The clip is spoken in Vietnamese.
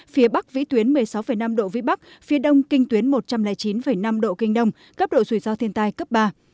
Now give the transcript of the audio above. phía bắc vĩ tuyến một mươi sáu năm độ vĩ bắc phía đông kinh tuyến một trăm linh chín năm độ kinh đông cấp độ rủi ro thiên tai cấp ba